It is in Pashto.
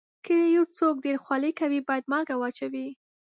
که یو څوک ډېر خولې کوي، باید مالګه واچوي.